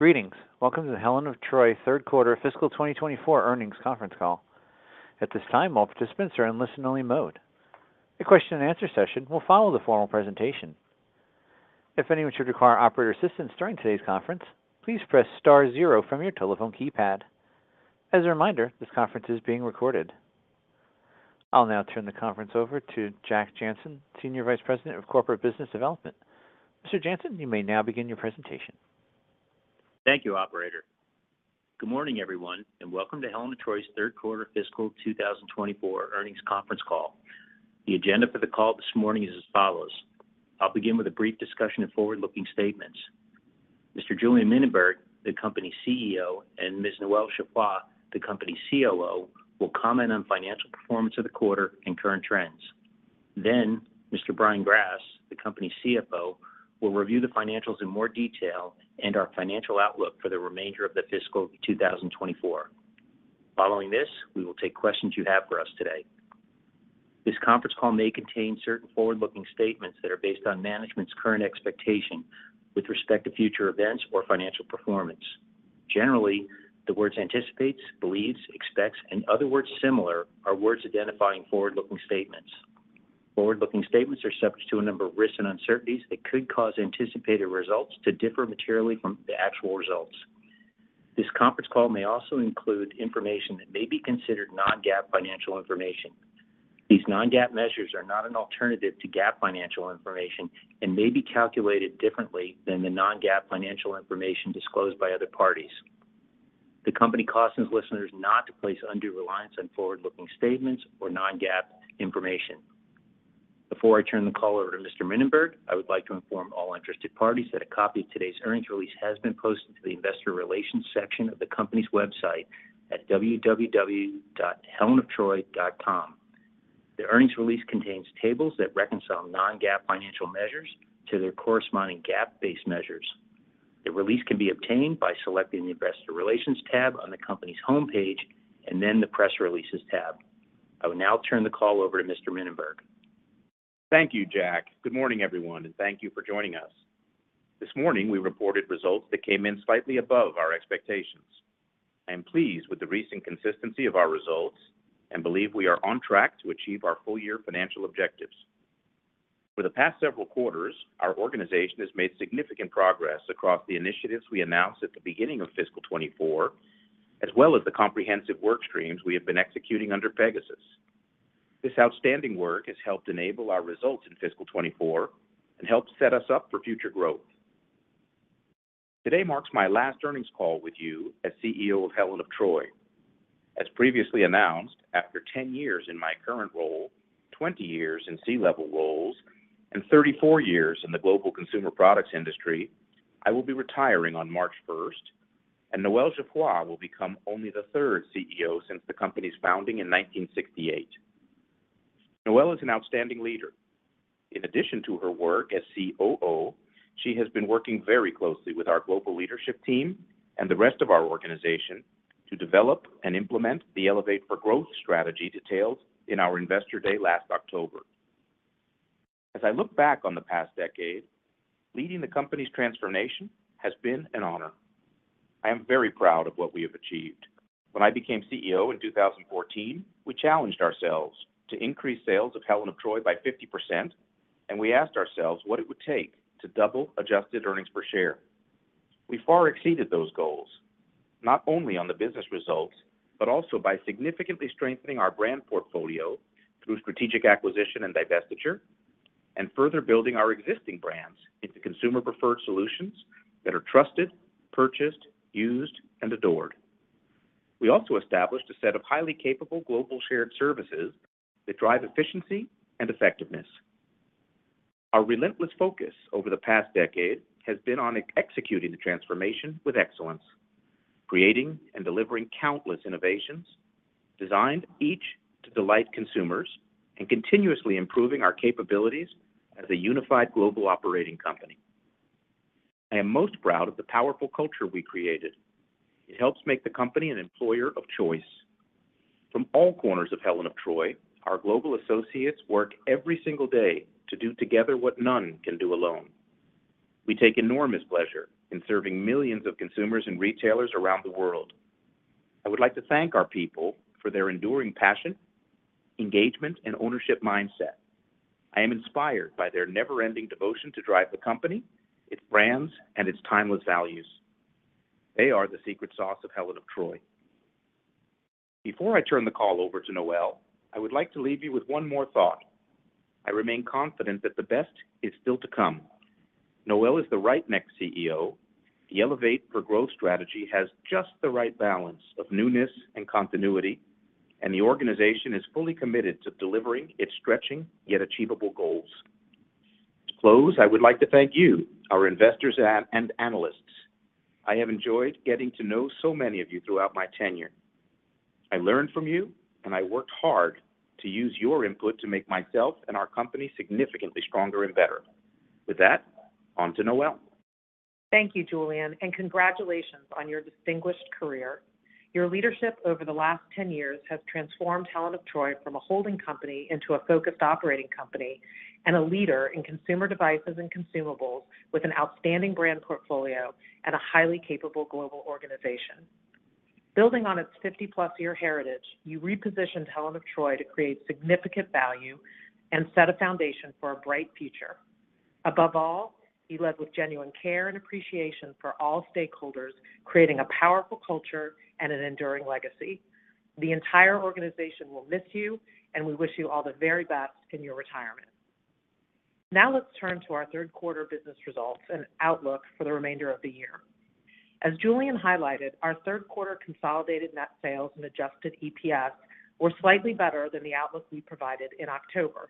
Greetings. Welcome to the Helen of Troy Third Quarter Fiscal 2024 Earnings Conference Call. At this time, all participants are in listen-only mode. A question-and-answer session will follow the formal presentation. If anyone should require operator assistance during today's conference, please press star zero from your telephone keypad. As a reminder, this conference is being recorded. I'll now turn the conference over to Jack Jancin, Senior Vice President of Corporate Business Development. Mr. Jancin, you may now begin your presentation. Thank you, operator. Good morning, everyone, and welcome to Helen of Troy's Third Quarter Fiscal 2024 Earnings Conference Call. The agenda for the call this morning is as follows: I'll begin with a brief discussion of forward-looking statements. Mr. Julien Mininberg, the company's CEO, and Ms. Noel Geoffroy, the company's COO, will comment on financial performance of the quarter and current trends. Then Mr. Brian Grass, the company's CFO, will review the financials in more detail and our financial outlook for the remainder of the fiscal 2024. Following this, we will take questions you have for us today. This conference call may contain certain forward-looking statements that are based on management's current expectation with respect to future events or financial performance. Generally, the words "anticipates," "believes," "expects," and other words similar are words identifying forward-looking statements. Forward-looking statements are subject to a number of risks and uncertainties that could cause anticipated results to differ materially from the actual results. This conference call may also include information that may be considered non-GAAP financial information. These non-GAAP measures are not an alternative to GAAP financial information and may be calculated differently than the non-GAAP financial information disclosed by other parties. The company cautions listeners not to place undue reliance on forward-looking statements or non-GAAP information. Before I turn the call over to Mr. Mininberg, I would like to inform all interested parties that a copy of today's earnings release has been posted to the investor relations section of the company's website at www.helenoftroy.com. The earnings release contains tables that reconcile non-GAAP financial measures to their corresponding GAAP-based measures. The release can be obtained by selecting the Investor Relations tab on the company's homepage and then the Press Releases tab. I will now turn the call over to Mr. Mininberg. Thank you, Jack. Good morning, everyone, and thank you for joining us. This morning, we reported results that came in slightly above our expectations. I am pleased with the recent consistency of our results and believe we are on track to achieve our full-year financial objectives. For the past several quarters, our organization has made significant progress across the initiatives we announced at the beginning of fiscal 2024, as well as the comprehensive work streams we have been executing under Pegasus. This outstanding work has helped enable our results in fiscal 2024 and helped set us up for future growth. Today marks my last earnings call with you as CEO of Helen of Troy. As previously announced, after 10 years in my current role, 20 years in C-level roles, and 34 years in the global consumer products industry, I will be retiring on March first, and Noel Geoffroy will become only the third CEO since the company's founding in 1968. Noel is an outstanding leader. In addition to her work as COO, she has been working very closely with our global leadership team and the rest of our organization to develop and implement the Elevate for Growth strategy, detailed in our Investor Day last October. As I look back on the past decade, leading the company's transformation has been an honor. I am very proud of what we have achieved. When I became CEO in 2014, we challenged ourselves to increase sales of Helen of Troy by 50%, and we asked ourselves what it would take to double adjusted earnings per share. We far exceeded those goals, not only on the business results, but also by significantly strengthening our brand portfolio through strategic acquisition and divestiture, and further building our existing brands into consumer-preferred solutions that are trusted, purchased, used, and adored. We also established a set of highly capable global shared services that drive efficiency and effectiveness. Our relentless focus over the past decade has been on executing the transformation with excellence, creating and delivering countless innovations, designed each to delight consumers and continuously improving our capabilities as a unified global operating company. I am most proud of the powerful culture we created. It helps make the company an employer of choice. From all corners of Helen of Troy, our global associates work every single day to do together what none can do alone. We take enormous pleasure in serving millions of consumers and retailers around the world. I would like to thank our people for their enduring passion, engagement, and ownership mindset. I am inspired by their never-ending devotion to drive the company, its brands, and its timeless values. They are the secret sauce of Helen of Troy. Before I turn the call over to Noel, I would like to leave you with one more thought. I remain confident that the best is still to come. Noel is the right next CEO. The Elevate for Growth strategy has just the right balance of newness and continuity, and the organization is fully committed to delivering its stretching, yet achievable goals. To close, I would like to thank you, our investors and analysts. I have enjoyed getting to know so many of you throughout my tenure. I learned from you, and I worked hard to use your input to make myself and our company significantly stronger and better. With that, on to Noel. Thank you, Julien, and congratulations on your distinguished career. Your leadership over the last 10 years has transformed Helen of Troy from a holding company into a focused operating company and a leader in consumer devices and consumables, with an outstanding brand portfolio and a highly capable global organization. Building on its 50-plus year heritage, you repositioned Helen of Troy to create significant value and set a foundation for a bright future. Above all, you led with genuine care and appreciation for all stakeholders, creating a powerful culture and an enduring legacy. The entire organization will miss you, and we wish you all the very best in your retirement. Now, let's turn to our third quarter business results and outlook for the remainder of the year. As Julien highlighted, our third quarter consolidated net sales and adjusted EPS were slightly better than the outlook we provided in October.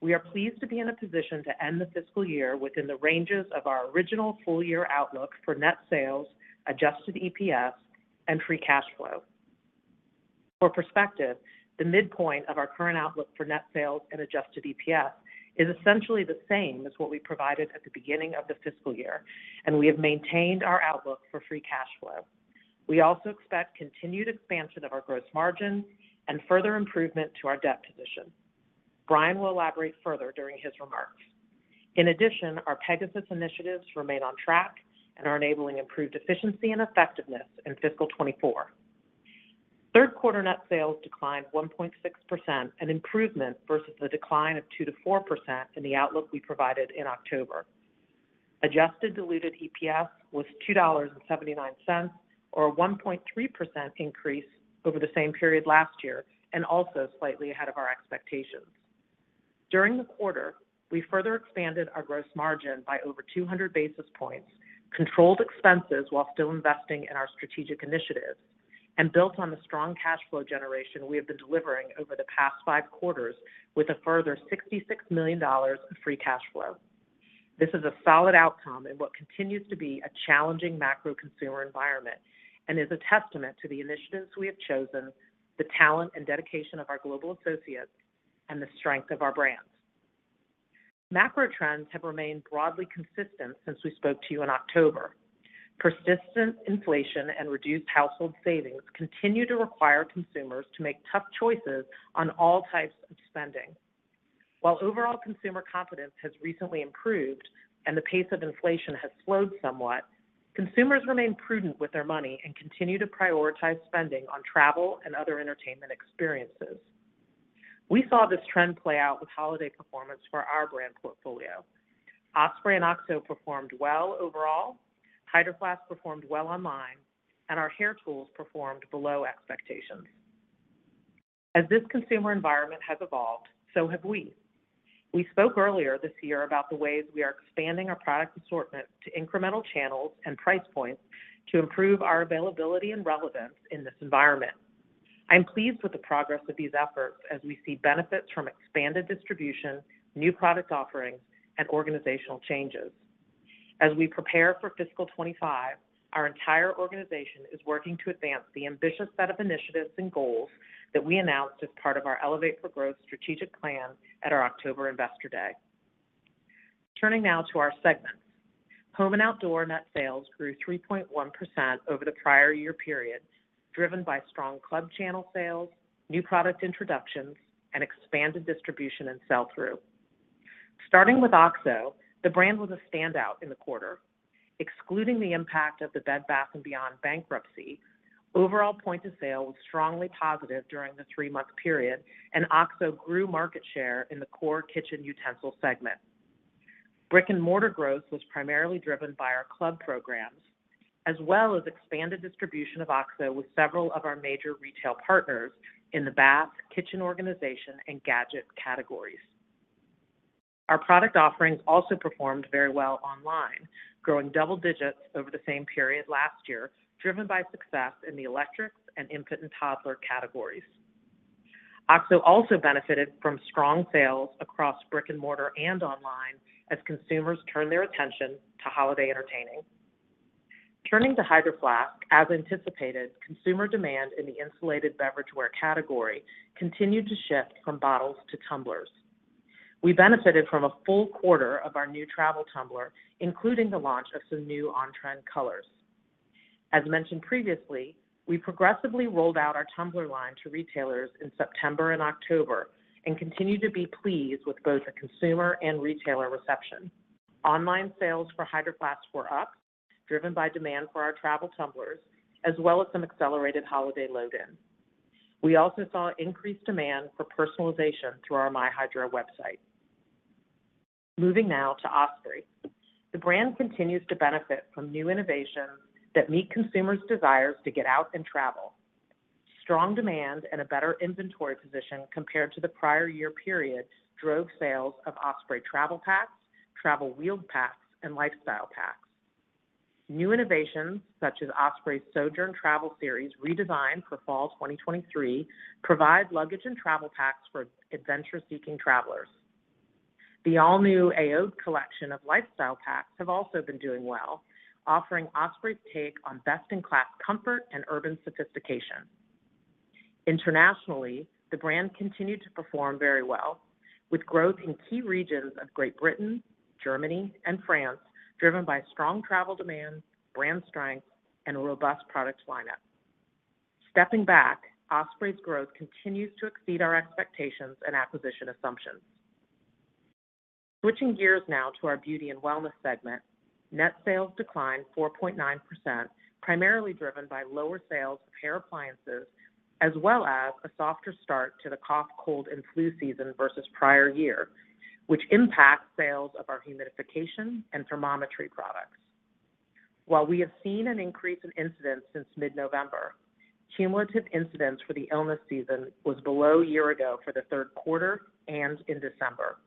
We are pleased to be in a position to end the fiscal year within the ranges of our original full-year outlook for net sales, Adjusted EPS, and Free Cash Flow. For perspective, the midpoint of our current outlook for net sales and Adjusted EPS is essentially the same as what we provided at the beginning of the fiscal year, and we have maintained our outlook for Free Cash Flow. We also expect continued expansion of our gross margin and further improvement to our debt position. Brian will elaborate further during his remarks. In addition, our Pegasus initiatives remain on track and are enabling improved efficiency and effectiveness in fiscal 2024. Third quarter net sales declined 1.6%, an improvement versus the decline of 2%-4% in the outlook we provided in October. Adjusted diluted EPS was $2.79, or a 1.3% increase over the same period last year, and also slightly ahead of our expectations. During the quarter, we further expanded our gross margin by over 200 basis points, controlled expenses while still investing in our strategic initiatives, and built on the strong cash flow generation we have been delivering over the past five quarters with a further $66 million in free cash flow. This is a solid outcome in what continues to be a challenging macro consumer environment and is a testament to the initiatives we have chosen, the talent and dedication of our global associates, and the strength of our brands. Macro trends have remained broadly consistent since we spoke to you in October. Persistent inflation and reduced household savings continue to require consumers to make tough choices on all types of spending. While overall consumer confidence has recently improved and the pace of inflation has slowed somewhat, consumers remain prudent with their money and continue to prioritize spending on travel and other entertainment experiences. We saw this trend play out with holiday performance for our brand portfolio. Osprey and OXO performed well overall, Hydro Flask performed well online, and our hair tools performed below expectations. As this consumer environment has evolved, so have we. We spoke earlier this year about the ways we are expanding our product assortment to incremental channels and price points to improve our availability and relevance in this environment. I'm pleased with the progress of these efforts as we see benefits from expanded distribution, new product offerings, and organizational changes. As we prepare for fiscal 2025, our entire organization is working to advance the ambitious set of initiatives and goals that we announced as part of our Elevate for Growth strategic plan at our October Investor Day. Turning now to our segments. Home and Outdoor net sales grew 3.1% over the prior year period, driven by strong club channel sales, new product introductions, and expanded distribution and sell-through. Starting with OXO, the brand was a standout in the quarter. Excluding the impact of the Bed Bath & Beyond bankruptcy, overall point of sale was strongly positive during the three-month period, and OXO grew market share in the core kitchen utensil segment. Brick-and-mortar growth was primarily driven by our club programs, as well as expanded distribution of OXO with several of our major retail partners in the bath, kitchen organization, and gadget categories. Our product offerings also performed very well online, growing double digits over the same period last year, driven by success in the electrics and infant and toddler categories. OXO also benefited from strong sales across brick and mortar and online as consumers turn their attention to holiday entertaining. Turning to Hydro Flask, as anticipated, consumer demand in the insulated beverageware category continued to shift from bottles to tumblers. We benefited from a full quarter of our new travel tumbler, including the launch of some new on-trend colors. As mentioned previously, we progressively rolled out our tumbler line to retailers in September and October and continue to be pleased with both the consumer and retailer reception. Online sales for Hydro Flask were up, driven by demand for our travel tumblers, as well as some accelerated holiday load-in. We also saw increased demand for personalization through our MyHydro website. Moving now to Osprey. The brand continues to benefit from new innovations that meet consumers' desires to get out and travel. Strong demand and a better inventory position compared to the prior year period drove sales of Osprey travel packs, travel wheeled packs, and lifestyle packs. New innovations, such as Osprey's Sojourn travel series, redesigned for fall 2023, provide luggage and travel packs for adventure-seeking travelers. The all-new Aoede collection of lifestyle packs have also been doing well, offering Osprey's take on best-in-class comfort and urban sophistication Internationally, the brand continued to perform very well, with growth in key regions of Great Britain, Germany, and France, driven by strong travel demand, brand strength, and a robust product lineup. Stepping back, Osprey's growth continues to exceed our expectations and acquisition assumptions. Switching gears now to our beauty and wellness segment, net sales declined 4.9%, primarily driven by lower sales of hair appliances, as well as a softer start to the cough, cold, and flu season versus prior year, which impacts sales of our humidification and thermometry products. While we have seen an increase in incidents since mid-November, cumulative incidents for the illness season was below year ago for the third quarter and in December.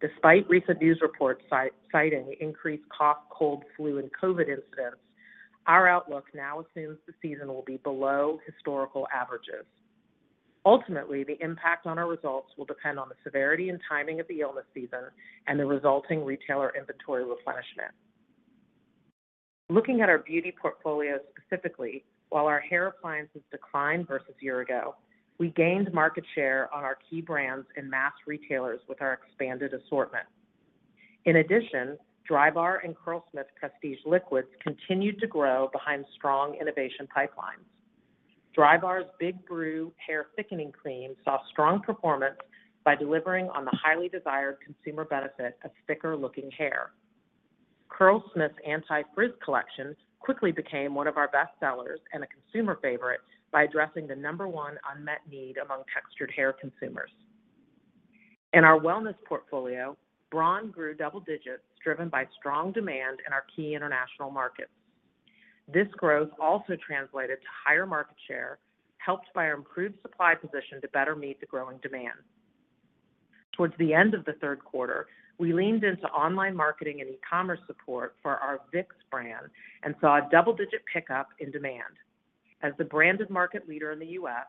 Despite recent news reports citing increased cough, cold, flu, and COVID incidents, our outlook now assumes the season will be below historical averages. Ultimately, the impact on our results will depend on the severity and timing of the illness season and the resulting retailer inventory replenishment. Looking at our beauty portfolio specifically, while our hair appliances declined versus year ago, we gained market share on our key brands and mass retailers with our expanded assortment. In addition, Drybar and Curlsmith prestige liquids continued to grow behind strong innovation pipelines. Drybar's Big Brew hair thickening cream saw strong performance by delivering on the highly desired consumer benefit of thicker-looking hair. Curlsmith's Anti-Frizz collection quickly became one of our best sellers and a consumer favorite by addressing the number one unmet need among textured hair consumers. In our wellness portfolio, Braun grew double digits, driven by strong demand in our key international markets. This growth also translated to higher market share, helped by our improved supply position to better meet the growing demand. Towards the end of the third quarter, we leaned into online marketing and e-commerce support for our Vicks brand and saw a double-digit pickup in demand. As the branded market leader in the U.S.,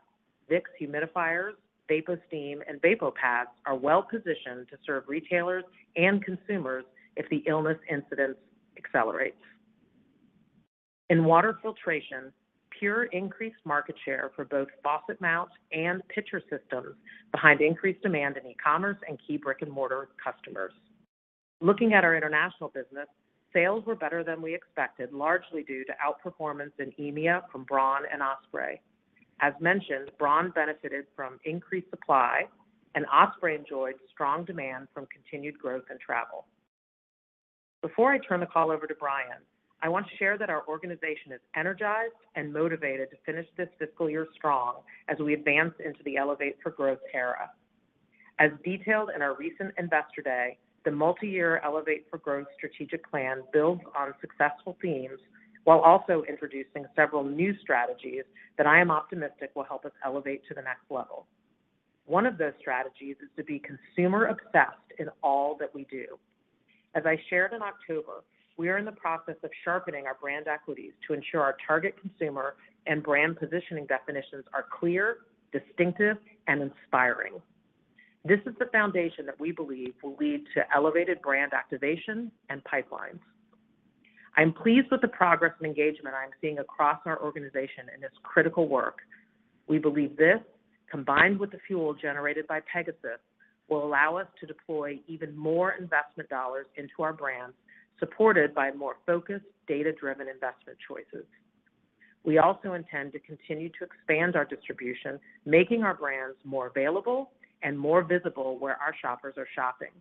Vicks humidifiers, VapoSteam, and VapoPads are well positioned to serve retailers and consumers if the illness incidence accelerates. In water filtration, PUR increased market share for both faucet mount and pitcher systems behind increased demand in e-commerce and key brick-and-mortar customers. Looking at our international business, sales were better than we expected, largely due to outperformance in EMEA from Braun and Osprey. As mentioned, Braun benefited from increased supply, and Osprey enjoyed strong demand from continued growth in travel. Before I turn the call over to Brian, I want to share that our organization is energized and motivated to finish this fiscal year strong as we advance into the Elevate for Growth era. As detailed in our recent Investor Day, the multi-year Elevate for Growth strategic plan builds on successful themes while also introducing several new strategies that I am optimistic will help us elevate to the next level. One of those strategies is to be consumer-obsessed in all that we do. As I shared in October, we are in the process of sharpening our brand equities to ensure our target consumer and brand positioning definitions are clear, distinctive, and inspiring. This is the foundation that we believe will lead to elevated brand activation and pipelines. I'm pleased with the progress and engagement I am seeing across our organization in this critical work. We believe this, combined with the fuel generated by Pegasus, will allow us to deploy even more investment dollars into our brands, supported by more focused, data-driven investment choices. We also intend to continue to expand our distribution, making our brands more available and more visible where our shoppers are shopping.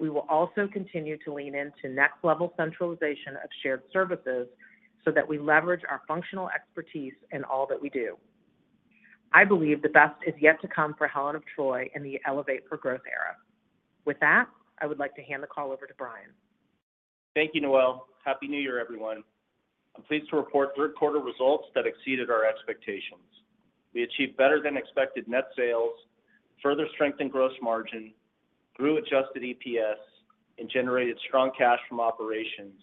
We will also continue to lean into next-level centralization of shared services so that we leverage our functional expertise in all that we do. I believe the best is yet to come for Helen of Troy in the Elevate for Growth era. With that, I would like to hand the call over to Brian. Thank you, Noel. Happy New Year, everyone. I'm pleased to report third quarter results that exceeded our expectations. We achieved better-than-expected net sales, further strengthened gross margin, grew adjusted EPS, and generated strong cash from operations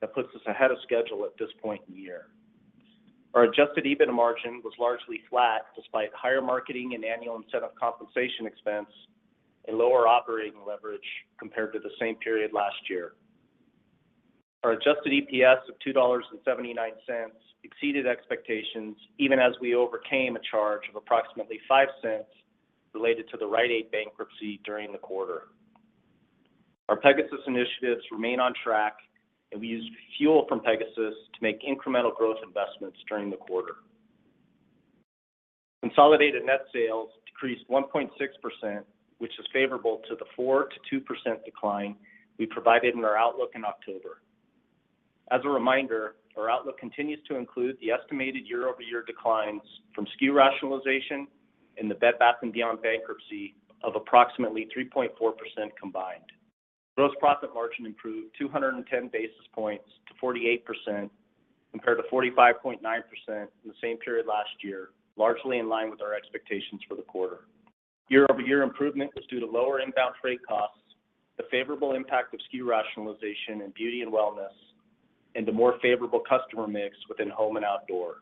that puts us ahead of schedule at this point in the year. Our adjusted EBITDA margin was largely flat, despite higher marketing and annual incentive compensation expense and lower operating leverage compared to the same period last year. Our adjusted EPS of $2.79 exceeded expectations, even as we overcame a charge of approximately $0.05 related to the Rite Aid bankruptcy during the quarter. Our Pegasus initiatives remain on track, and we used fuel from Pegasus to make incremental growth investments during the quarter. Consolidated net sales decreased 1.6%, which is favorable to the 4%-2% decline we provided in our outlook in October. As a reminder, our outlook continues to include the estimated year-over-year declines from SKU rationalization and the Bed Bath & Beyond bankruptcy of approximately 3.4% combined. Gross profit margin improved 210 basis points to 48%, compared to 45.9% in the same period last year, largely in line with our expectations for the quarter. Year-over-year improvement was due to lower inbound freight costs, the favorable impact of SKU rationalization in beauty and wellness, and the more favorable customer mix within home and outdoor.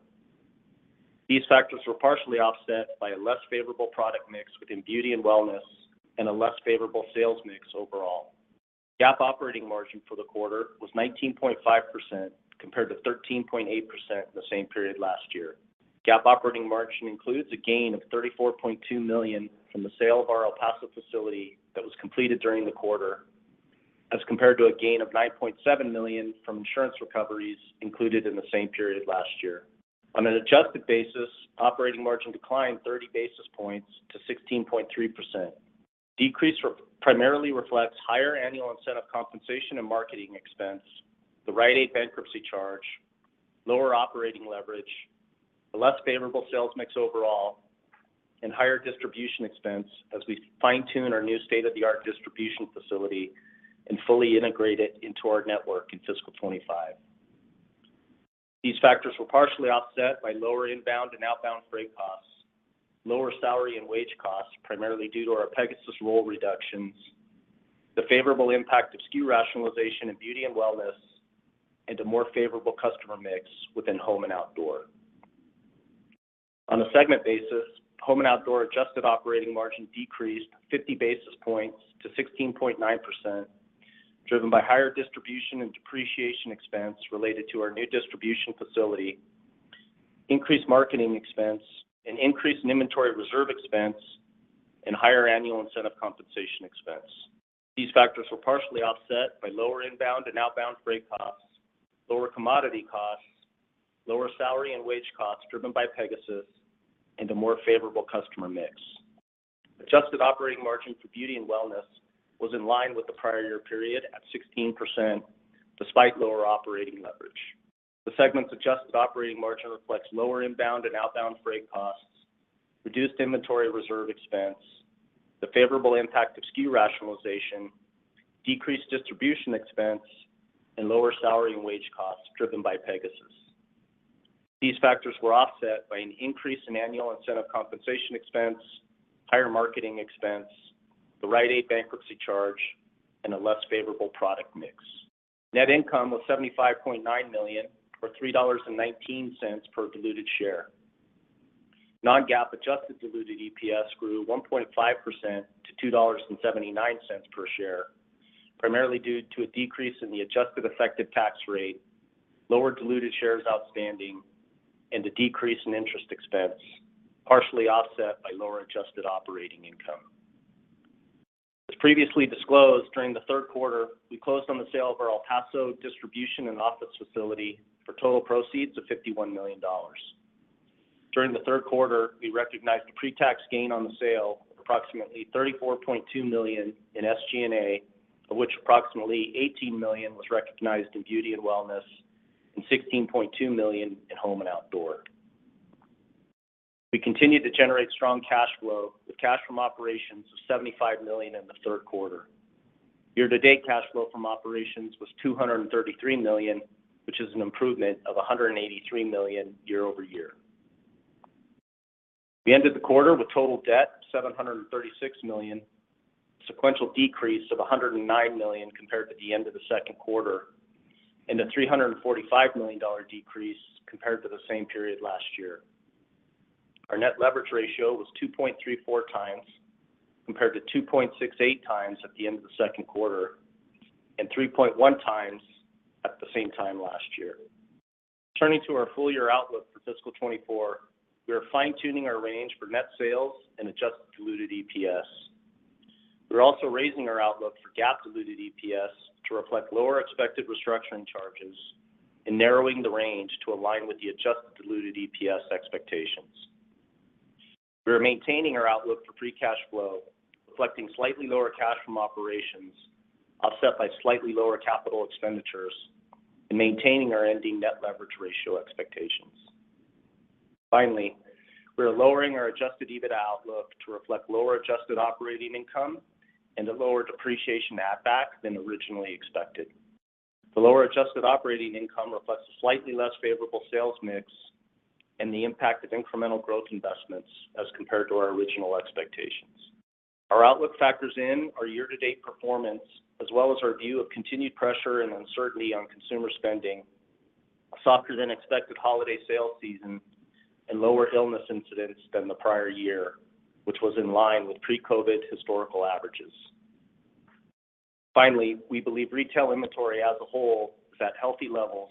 These factors were partially offset by a less favorable product mix within beauty and wellness and a less favorable sales mix overall. GAAP operating margin for the quarter was 19.5%, compared to 13.8% in the same period last year. GAAP operating margin includes a gain of $34.2 million from the sale of our El Paso facility that was completed during the quarter, as compared to a gain of $9.7 million from insurance recoveries included in the same period last year. On an adjusted basis, operating margin declined 30 basis points to 16.3%. Decrease primarily reflects higher annual incentive compensation and marketing expense, the Rite Aid bankruptcy charge, lower operating leverage, a less favorable sales mix overall, and higher distribution expense as we fine-tune our new state-of-the-art distribution facility and fully integrate it into our network in fiscal 2025. These factors were partially offset by lower inbound and outbound freight costs, lower salary and wage costs, primarily due to our Pegasus role reductions, the favorable impact of SKU rationalization in beauty and wellness, and a more favorable customer mix within home and outdoor. On a segment basis, home and outdoor adjusted operating margin decreased 50 basis points to 16.9%, driven by higher distribution and depreciation expense related to our new distribution facility, increased marketing expense, an increase in inventory reserve expense, and higher annual incentive compensation expense. These factors were partially offset by lower inbound and outbound freight costs, lower commodity costs, lower salary and wage costs driven by Pegasus, and a more favorable customer mix. Adjusted operating margin for beauty and wellness was in line with the prior year period at 16%, despite lower operating leverage. The segment's adjusted operating margin reflects lower inbound and outbound freight costs, reduced inventory reserve expense, the favorable impact of SKU rationalization, decreased distribution expense, and lower salary and wage costs driven by Pegasus. These factors were offset by an increase in annual incentive compensation expense, higher marketing expense, the Rite Aid bankruptcy charge, and a less favorable product mix. Net income was $75.9 million, or $3.19 per diluted share. Non-GAAP adjusted diluted EPS grew 1.5% to $2.79 per share, primarily due to a decrease in the adjusted effective tax rate, lower diluted shares outstanding, and a decrease in interest expense, partially offset by lower adjusted operating income. As previously disclosed, during the third quarter, we closed on the sale of our El Paso distribution and office facility for total proceeds of $51 million. During the third quarter, we recognized a pre-tax gain on the sale of approximately $34.2 million in SG&A, of which approximately $18 million was recognized in beauty and wellness and $16.2 million in home and outdoor. We continued to generate strong cash flow, with cash from operations of $75 million in the third quarter. Year-to-date cash flow from operations was $233 million, which is an improvement of $183 million year-over-year. We ended the quarter with total debt of $736 million, a sequential decrease of $109 million compared to the end of the second quarter, and a $345 million decrease compared to the same period last year. Our net leverage ratio was 2.34 times, compared to 2.68 times at the end of the second quarter, and 3.1 times at the same time last year. Turning to our full-year outlook for fiscal 2024, we are fine-tuning our range for net sales and Adjusted Diluted EPS. We're also raising our outlook for GAAP Diluted EPS to reflect lower expected restructuring charges and narrowing the range to align with the Adjusted Diluted EPS expectations. We are maintaining our outlook for Free Cash Flow, reflecting slightly lower cash from operations, offset by slightly lower capital expenditures and maintaining our ending net leverage ratio expectations. Finally, we are lowering our Adjusted EBITDA outlook to reflect lower adjusted operating income and a lower depreciation add-back than originally expected. The lower adjusted operating income reflects a slightly less favorable sales mix and the impact of incremental growth investments as compared to our original expectations. Our outlook factors in our year-to-date performance, as well as our view of continued pressure and uncertainty on consumer spending, a softer-than-expected holiday sales season, and lower illness incidents than the prior year, which was in line with pre-COVID historical averages. Finally, we believe retail inventory as a whole is at healthy levels,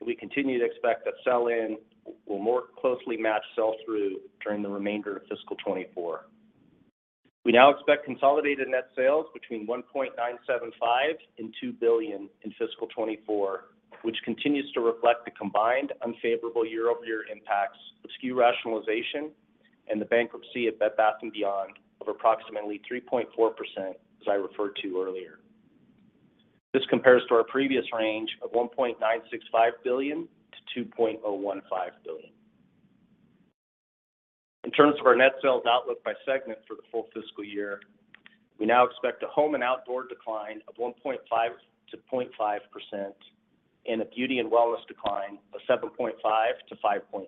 and we continue to expect that sell-in will more closely match sell-through during the remainder of fiscal 2024. We now expect consolidated net sales between $1.975 billion and $2 billion in fiscal 2024, which continues to reflect the combined unfavorable year-over-year impacts of SKU rationalization and the bankruptcy of Bed Bath & Beyond of approximately 3.4%, as I referred to earlier. This compares to our previous range of $1.965 billion-$2.015 billion. In terms of our net sales outlook by segment for the full fiscal year, we now expect a home and outdoor decline of 1.5%-0.5% and a beauty and wellness decline of 7.5%-5.9%.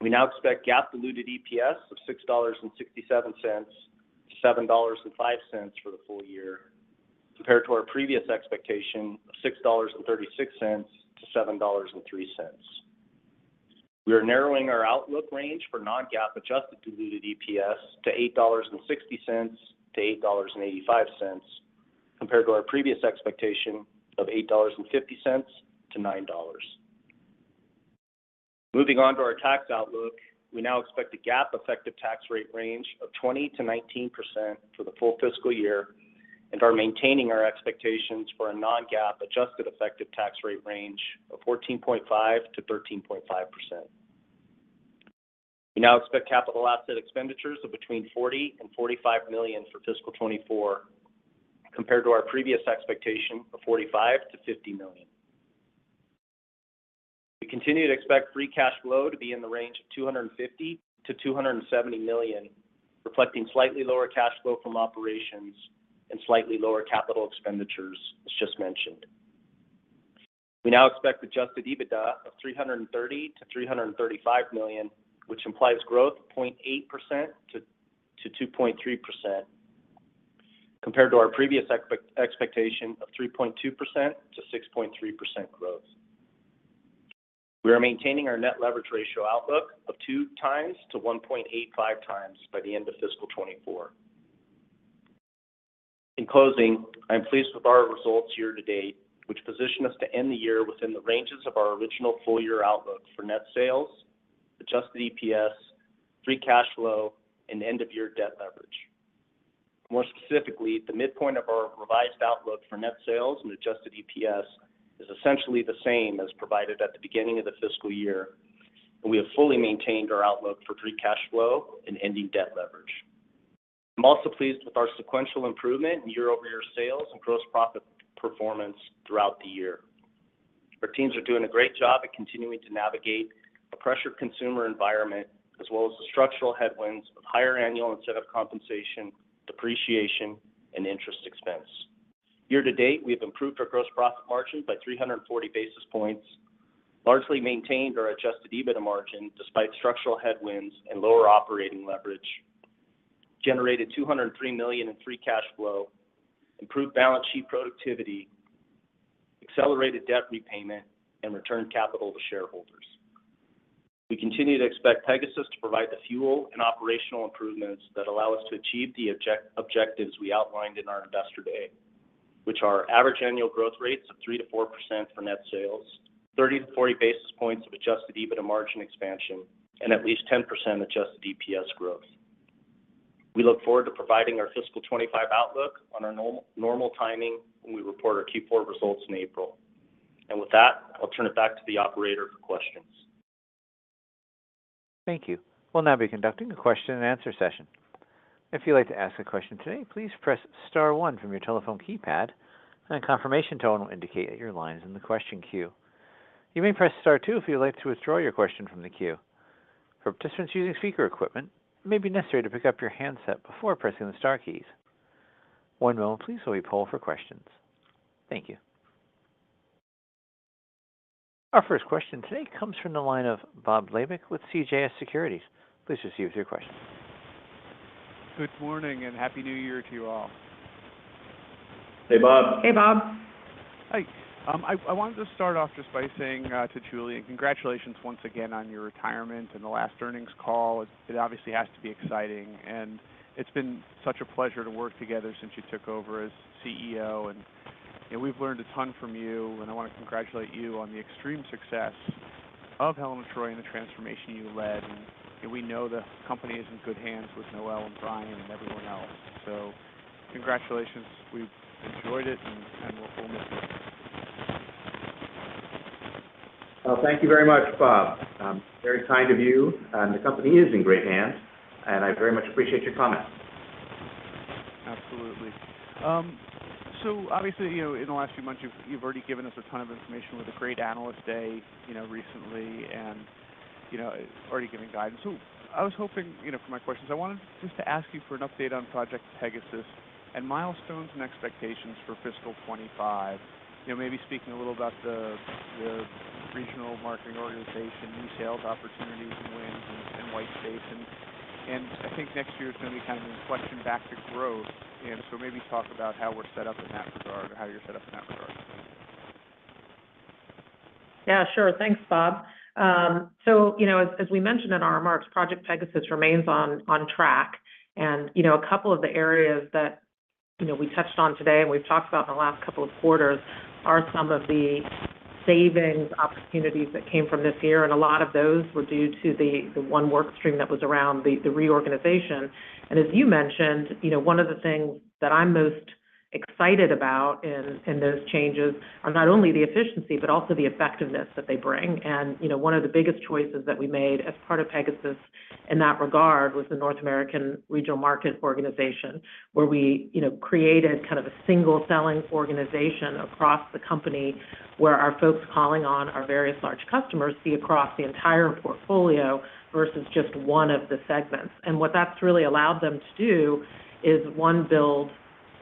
We now expect GAAP diluted EPS of $6.67-$7.05 for the full year, compared to our previous expectation of $6.36-$7.03. We are narrowing our outlook range for Non-GAAP adjusted diluted EPS to $8.60-$8.85, compared to our previous expectation of $8.50-$9. Moving on to our tax outlook, we now expect a GAAP effective tax rate range of 20%-19% for the full fiscal year, and are maintaining our expectations for a non-GAAP adjusted effective tax rate range of 14.5%-13.5%. We now expect capital asset expenditures of between $40 million to $45 million for fiscal 2024, compared to our previous expectation of $45 million to $50 million. We continue to expect free cash flow to be in the range of $250 million to $270 million, reflecting slightly lower cash flow from operations and slightly lower capital expenditures, as just mentioned. We now expect Adjusted EBITDA of $300 million to $335 million, which implies growth of 0.8% to 2.3%, compared to our previous expectation of 3.2% to 6.3% growth. We are maintaining our net leverage ratio outlook of two times to 1.85x by the end of fiscal 2024. In closing, I'm pleased with our results year to date, which position us to end the year within the ranges of our original full year outlook for net sales, Adjusted EPS, Free Cash Flow, and end-of-year debt leverage. More specifically, the midpoint of our revised outlook for net sales and Adjusted EPS is essentially the same as provided at the beginning of the fiscal year, and we have fully maintained our outlook for Free Cash Flow and ending debt leverage. I'm also pleased with our sequential improvement in year-over-year sales and gross profit performance throughout the year. Our teams are doing a great job at continuing to navigate a pressure consumer environment, as well as the structural headwinds of higher annual incentive compensation, depreciation, and interest expense. Year-to-date, we have improved our gross profit margin by 340 basis points, largely maintained our Adjusted EBITDA margin despite structural headwinds and lower operating leverage, generated $203 million in free cash flow, improved balance sheet productivity, accelerated debt repayment, and returned capital to shareholders. We continue to expect Pegasus to provide the fuel and operational improvements that allow us to achieve the objectives we outlined in our Investor Day, which are average annual growth rates of 3%-4% for net sales, 30-40 basis points of Adjusted EBITDA margin expansion, and at least 10% Adjusted EPS growth. We look forward to providing our fiscal 2025 outlook on our normal timing when we report our Q4 results in April. And with that, I'll turn it back to the operator for questions. Thank you. We'll now be conducting a question-and-answer session. If you'd like to ask a question today, please press star one from your telephone keypad, and a confirmation tone will indicate that your line is in the question queue. You may press star two if you'd like to withdraw your question from the queue. For participants using speaker equipment, it may be necessary to pick up your handset before pressing the star keys. One moment, please, while we poll for questions. Thank you. Our first question today comes from the line of Bob Labick with CJS Securities. Please proceed with your question. Good morning, and Happy New Year to you all. Hey, Bob. Hey, Bob. Hi. I wanted to start off just by saying to Julien, congratulations once again on your retirement and the last earnings call. It obviously has to be exciting, and it's been such a pleasure to work together since you took over as CEO, and, you know, we've learned a ton from you, and I want to congratulate you on the extreme success of Helen of Troy and the transformation you led. We know the company is in good hands with Noel and Brian and everyone else. So congratulations. We've enjoyed it, and we'll miss you. Well, thank you very much, Bob. Very kind of you, and the company is in great hands, and I very much appreciate your comments. Absolutely. So obviously, you know, in the last few months, you've already given us a ton of information with a great Analyst Day, you know, recently and, you know, already giving guidance. So I was hoping, you know, for my questions, I wanted just to ask you for an update on Project Pegasus and milestones and expectations for fiscal 2025. You know, maybe speaking a little about the regional marketing organization, new sales opportunities and wins and white space. I think next year is going to be kind of in question back to growth. So maybe talk about how we're set up in that regard, or how you're set up in that regard. Yeah, sure. Thanks, Bob. So you know, as we mentioned in our remarks, Project Pegasus remains on track. You know, a couple of the areas that, you know, we touched on today and we've talked about in the last couple of quarters are some of the savings opportunities that came from this year, and a lot of those were due to the one work stream that was around the reorganization. As you mentioned, you know, one of the things that I'm most excited about in those changes are not only the efficiency, but also the effectiveness that they bring. You know, one of the biggest choices that we made as part of Pegasus in that regard was the North American Regional Market Organization, where we, you know, created kind of a single selling organization across the company, where our folks calling on our various large customers see across the entire portfolio versus just one of the segments. And what that's really allowed them to do is, one, build,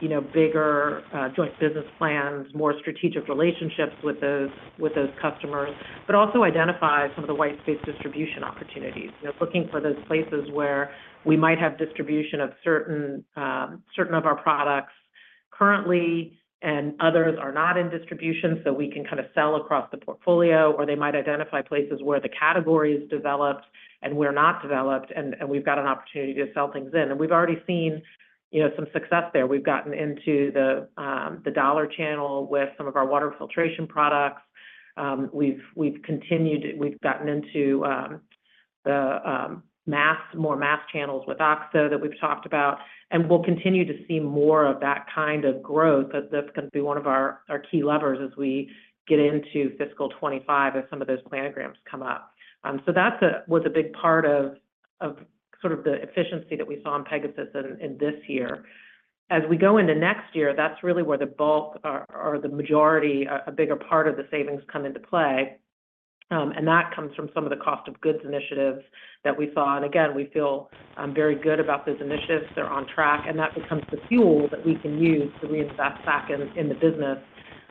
you know, bigger joint business plans, more strategic relationships with those, with those customers, but also identify some of the white space distribution opportunities. You know, looking for those places where we might have distribution of certain, certain of our products,... Currently, and others are not in distribution, so we can kind of sell across the portfolio, or they might identify places where the category is developed and we're not developed, and we've got an opportunity to sell things in. And we've already seen, you know, some success there. We've gotten into the dollar channel with some of our water filtration products. We've continued—we've gotten into the mass, more mass channels with OXO that we've talked about, and we'll continue to see more of that kind of growth, as this can be one of our key levers as we get into fiscal 2025, as some of those planograms come up. So that's—was a big part of sort of the efficiency that we saw in Pegasus in this year. As we go into next year, that's really where the bulk or the majority, a bigger part of the savings come into play. And that comes from some of the cost of goods initiatives that we saw. And again, we feel very good about those initiatives. They're on track, and that becomes the fuel that we can use to reinvest back in the business,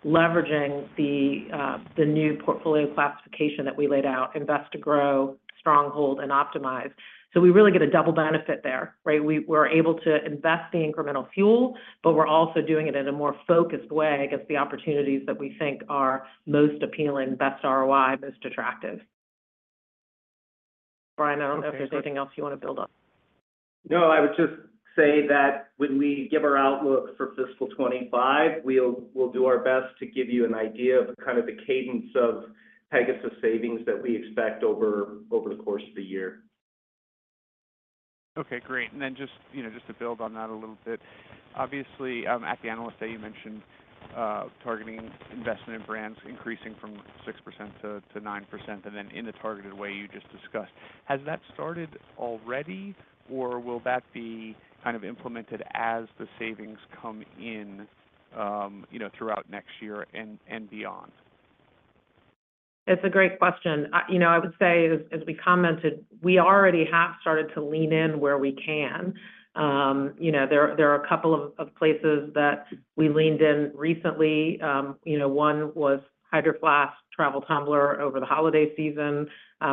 leveraging the new portfolio classification that we laid out: Invest to Grow, Stronghold, and Optimize. So we really get a double benefit there, right? We're able to invest the incremental fuel, but we're also doing it in a more focused way against the opportunities that we think are most appealing, best ROI, most attractive. Brian, I don't know if there's anything else you want to build on. No, I would just say that when we give our outlook for fiscal 2025, we'll do our best to give you an idea of kind of the cadence of Pegasus savings that we expect over the course of the year. Okay, great. And then just, you know, just to build on that a little bit, obviously, at the Analyst Day, you mentioned targeting investment in brands increasing from 6%-9%, and then in the targeted way you just discussed. Has that started already, or will that be kind of implemented as the savings come in, you know, throughout next year and beyond? It's a great question. You know, I would say, as, as we commented, we already have started to lean in where we can. You know, there, there are a couple of, of places that we leaned in recently. You know, one was Hydro Flask Travel Tumbler over the holiday season,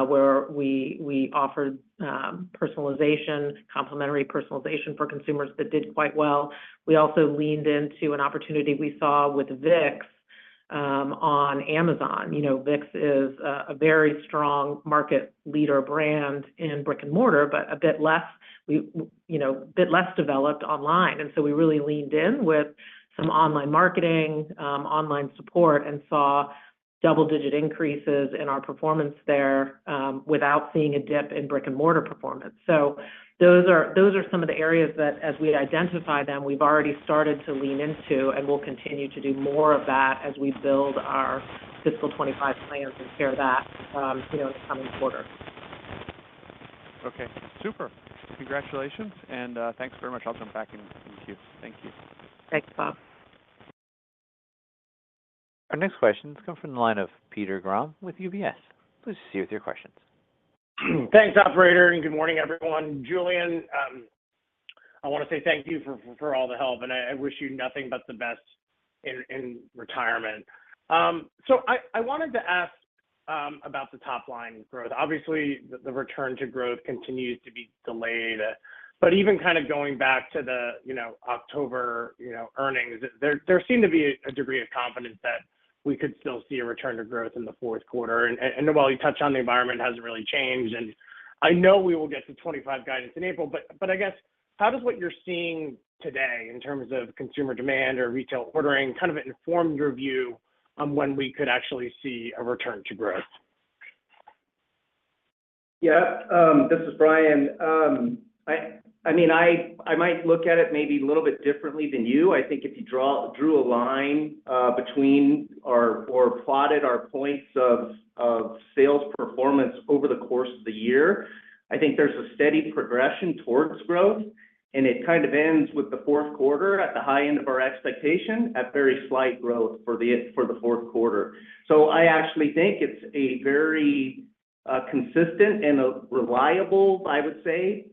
where we, we offered, personalization, complimentary personalization for consumers that did quite well. We also leaned into an opportunity we saw with Vicks, on Amazon. You know, Vicks is a, a very strong market leader brand in brick-and-mortar, but a bit less, you know, a bit less developed online. And so we really leaned in with some online marketing, online support, and saw double-digit increases in our performance there, without seeing a dip in brick-and-mortar performance. Those are, those are some of the areas that, as we'd identified them, we've already started to lean into, and we'll continue to do more of that as we build our fiscal 2025 plans and share that, you know, in the coming quarter. Okay, super. Congratulations, and, thanks very much. I'll come back and talk to you. Thank you. Thanks, Bob. Our next question comes from the line of Peter Grom with UBS. Please proceed with your questions. Thanks, operator, and good morning, everyone. Julien, I wanna say thank you for all the help, and I wish you nothing but the best in retirement. So I wanted to ask about the top-line growth. Obviously, the return to growth continues to be delayed, but even kind of going back to the, you know, October earnings, there seemed to be a degree of confidence that we could still see a return to growth in the fourth quarter. While you touch on the environment hasn't really changed, and I know we will get to 25 guidance in April, but I guess, how does what you're seeing today in terms of consumer demand or retail ordering, kind of inform your view on when we could actually see a return to growth? Yeah, this is Brian. I mean, I might look at it maybe a little bit differently than you. I think if you drew a line between or plotted our points of sales performance over the course of the year, I think there's a steady progression towards growth, and it kind of ends with the fourth quarter at the high end of our expectation at very slight growth for the fourth quarter. So I actually think it's a very consistent and a reliable, I would say,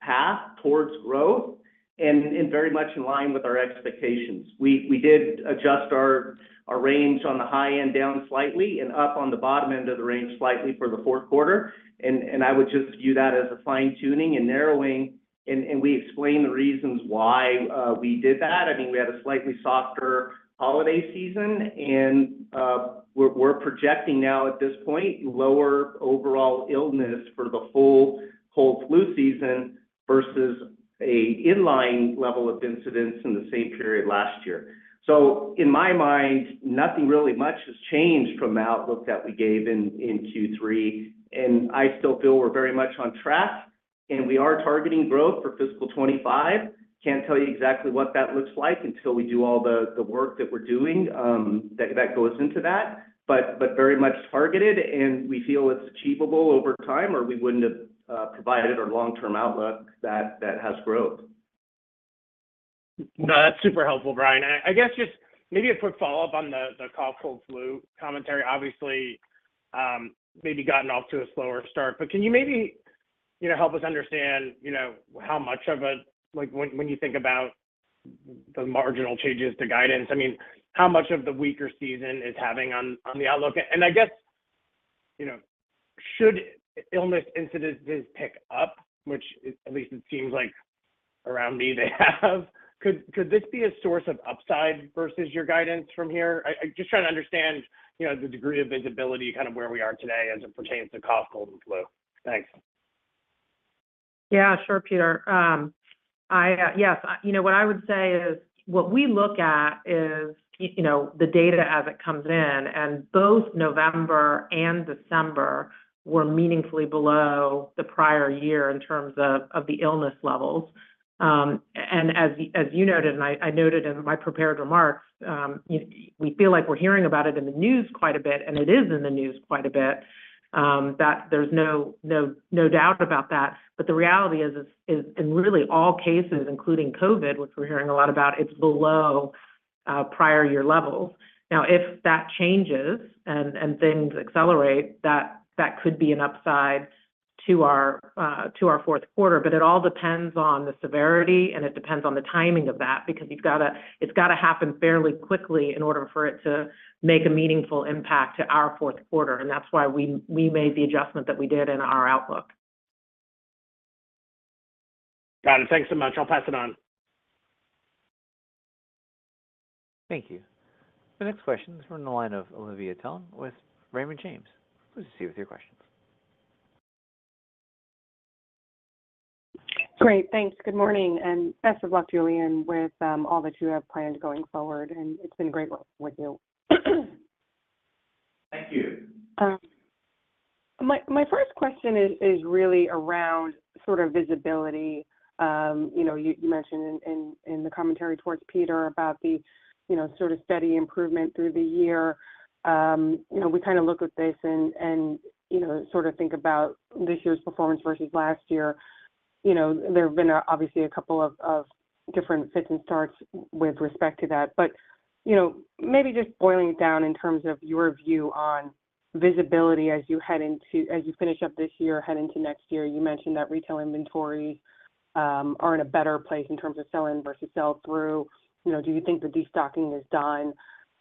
path towards growth and very much in line with our expectations. We did adjust our range on the high end down slightly and up on the bottom end of the range slightly for the fourth quarter. I would just view that as a fine-tuning and narrowing, and we explained the reasons why we did that. I mean, we had a slightly softer holiday season, and we're projecting now at this point lower overall illness for the whole cold flu season versus an in-line level of incidence in the same period last year. So in my mind, nothing really much has changed from the outlook that we gave in Q3, and I still feel we're very much on track, and we are targeting growth for fiscal 2025. Can't tell you exactly what that looks like until we do all the work that we're doing that goes into that, but very much targeted, and we feel it's achievable over time, or we wouldn't have provided our long-term outlook that has growth. No, that's super helpful, Brian. I guess just maybe a quick follow-up on the cough, cold, flu commentary. Obviously, maybe gotten off to a slower start, but can you maybe, you know, help us understand, you know, how much of a like, when you think about the marginal changes to guidance, I mean, how much of the weaker season is having on the outlook? And I guess you know, should illness incidences pick up, which at least it seems like around me they have, could this be a source of upside versus your guidance from here? I just trying to understand, you know, the degree of visibility, kind of where we are today as it pertains to cough, cold, and flu. Thanks. Yeah, sure, Peter. Yes, you know, what I would say is what we look at is, you know, the data as it comes in, and both November and December were meaningfully below the prior year in terms of the illness levels. And as you noted, and I noted in my prepared remarks, we feel like we're hearing about it in the news quite a bit, and it is in the news quite a bit, that there's no, no, no doubt about that. But the reality is in really all cases, including COVID, which we're hearing a lot about, it's below prior year levels. Now, if that changes and things accelerate, that could be an upside to our to our fourth quarter. But it all depends on the severity, and it depends on the timing of that, because you've got to it's got to happen fairly quickly in order for it to make a meaningful impact to our fourth quarter, and that's why we, we made the adjustment that we did in our outlook. Got it. Thanks so much. I'll pass it on. Thank you. The next question is from the line of Olivia Tong with Raymond James. Please proceed with your questions. Great, thanks. Good morning, and best of luck, Julien, with all that you have planned going forward, and it's been great working with you. Thank you. My first question is really around sort of visibility. You know, you mentioned in the commentary towards Peter about the, you know, sort of steady improvement through the year. You know, we kind of look at this and you know, sort of think about this year's performance versus last year. You know, there have been, obviously, a couple of different fits and starts with respect to that, but, you know, maybe just boiling it down in terms of your view on visibility as you head into, as you finish up this year, head into next year. You mentioned that retail inventory are in a better place in terms of sell-in versus sell-through. You know, do you think the destocking is done?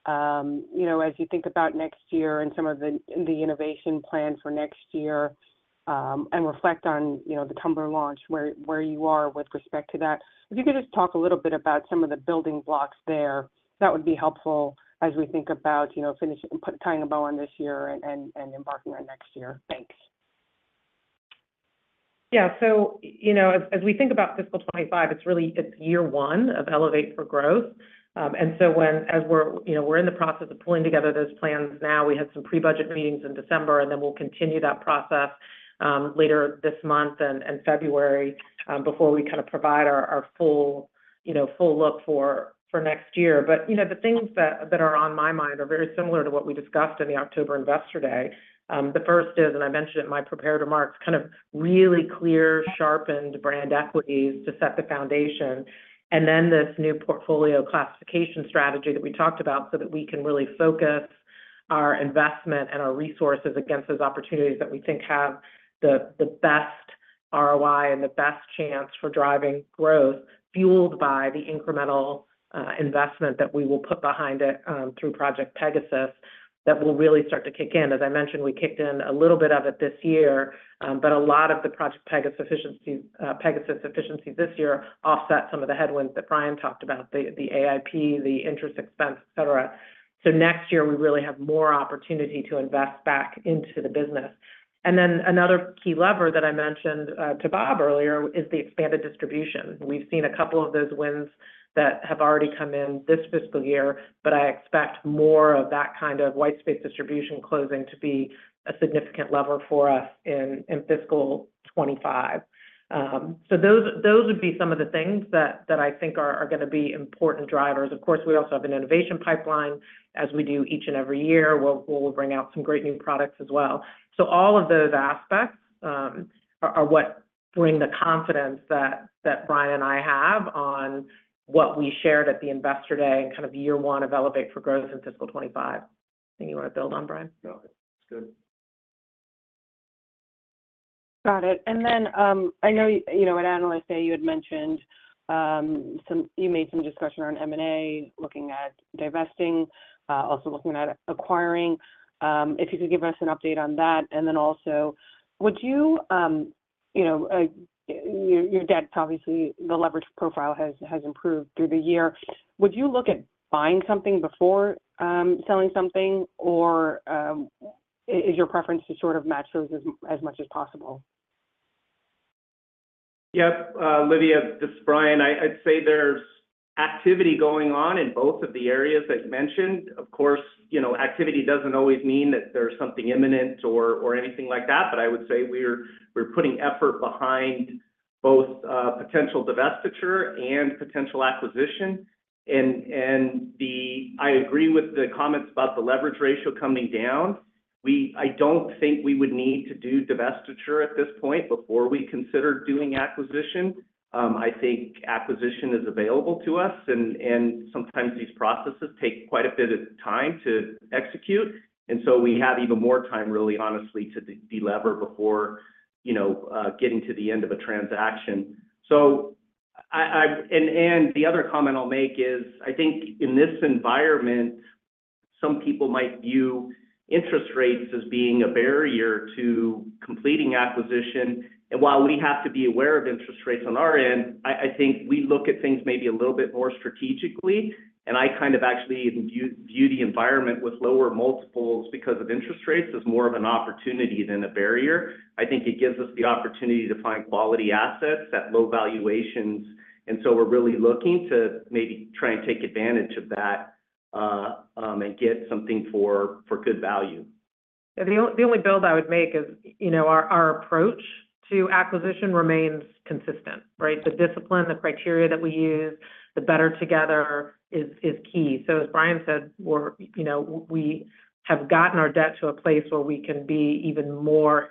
You know, as you think about next year and some of the innovation plan for next year, and reflect on, you know, the tumbler launch, where you are with respect to that. If you could just talk a little bit about some of the building blocks there, that would be helpful as we think about, you know, finishing and tying a bow on this year and embarking on next year. Thanks. Yeah. So, you know, as we think about Fiscal 2025, it's really, it's year one of Elevate for Growth. You know, we're in the process of pulling together those plans now. We had some pre-budget meetings in December, and then we'll continue that process later this month and February before we kind of provide our full look for next year. But, you know, the things that are on my mind are very similar to what we discussed in the October Investor Day. The first is, and I mentioned it in my prepared remarks, kind of really clear, sharpened brand equities to set the foundation, and then this new portfolio classification strategy that we talked about so that we can really focus our investment and our resources against those opportunities that we think have the, the best ROI and the best chance for driving growth, fueled by the incremental investment that we will put behind it through Project Pegasus, that will really start to kick in. As I mentioned, we kicked in a little bit of it this year, but a lot of the Project Pegasus efficiency, Pegasus efficiency this year offset some of the headwinds that Brian talked about, the, the AIP, the interest expense, et cetera. So next year, we really have more opportunity to invest back into the business. And then another key lever that I mentioned to Bob earlier is the expanded distribution. We've seen a couple of those wins that have already come in this fiscal year, but I expect more of that kind of white space distribution closing to be a significant lever for us in Fiscal 2025. So those, those would be some of the things that, that I think are, are gonna be important drivers. Of course, we also have an innovation pipeline, as we do each and every year. We'll, we will bring out some great new products as well. So all of those aspects are, are what bring the confidence that, that Brian and I have on what we shared at the Investor Day and kind of year one of Elevate for Growth in Fiscal 2025. Anything you want to build on, Brian? No. It's good. Got it. And then, I know you know, at Analyst Day, you had mentioned, some... You made some discussion around M&A, looking at divesting, also looking at acquiring. If you could give us an update on that, and then also, would you, you know, your, your debt, obviously, the leverage profile has, has improved through the year. Would you look at buying something before, selling something, or, is your preference to sort of match those as, as much as possible? Yep. Olivia, this is Brian. I'd say there's activity going on in both of the areas I mentioned. Of course, you know, activity doesn't always mean that there's something imminent or anything like that, but I would say we're putting effort behind both potential divestiture and potential acquisition. And I agree with the comments about the leverage ratio coming down. I don't think we would need to do divestiture at this point before we consider doing acquisition. I think acquisition is available to us, and sometimes these processes take quite a bit of time to execute, and so we have even more time, really, honestly, to delever before, you know, getting to the end of a transaction. So, the other comment I'll make is, I think in this environment, some people might view interest rates as being a barrier to completing acquisition. While we have to be aware of interest rates on our end, I think we look at things maybe a little bit more strategically, and I kind of actually view the environment with lower multiples because of interest rates, as more of an opportunity than a barrier. I think it gives us the opportunity to find quality assets at low valuations, and so we're really looking to maybe try and take advantage of that, and get something for good value. The only build I would make is, you know, our approach to acquisition remains consistent, right? The discipline, the criteria that we use, the Better Together is key. So as Brian said, we're, you know, we have gotten our debt to a place where we can be even more